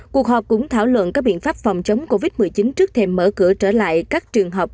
cuộc họp cũng thảo luận các biện pháp phòng chống covid một mươi chín trước thêm mở cửa trở lại các trường học